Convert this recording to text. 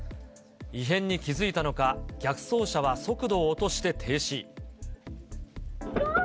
異変に気付いたのか、逆走車は速度を落として停止。